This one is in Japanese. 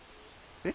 えっ？